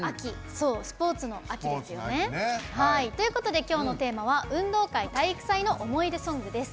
そう、スポーツの秋ですよね。ということで、今日のテーマは運動会・体育祭の思い出ソングです。